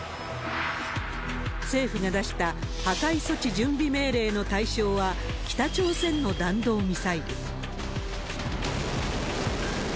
政府が出した破壊措置準備命令の対象は北朝鮮の弾道ミサイル。